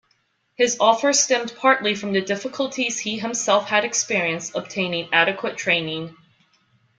His offer stemmed partly from the difficulties he himself had experienced obtaining adequate training.